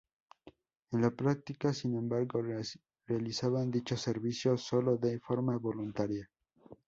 En la práctica, sin embargo, realizaban dicho servicio solo de forma voluntaria.